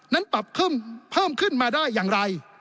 นั้นปรับเพิ่มขึ้นมาได้อย่างไร